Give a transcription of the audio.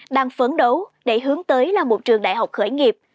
đẩy hướng tới là một trường đại học khởi nghiệp